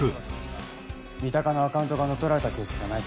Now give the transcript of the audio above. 三鷹のアカウントが乗っ取られた形跡はないそうです。